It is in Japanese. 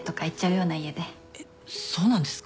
えっそうなんですか？